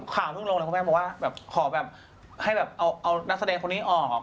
ข่าวทุกลงแล้วพวกแมทบอกว่าขอแบบให้แบบเอานักแสดงคนนี้ออก